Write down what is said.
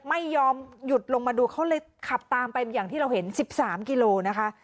ไม่ยอมหยุดลงมาดูเขาเลยขับตามไปอย่างที่เราเห็น๑๓กิโลนะคะ